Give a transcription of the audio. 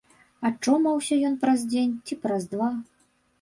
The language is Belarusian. Ачомаўся ён праз дзень ці праз два.